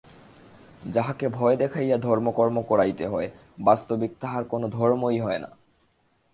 যাহাকে ভয় দেখাইয়া ধর্মকর্ম করাইতে হয়, বাস্তবিক তাহার কোন ধর্মই হয় না।